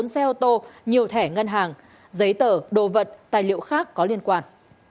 bốn xe ô tô nhiều thẻ ngân hàng giấy tờ đồ vật tài liệu khác có liên quan